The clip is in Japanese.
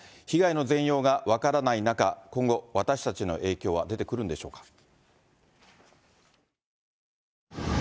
被害の全容が分からない中、今後、私たちへの影響は出てくるんでしょうか。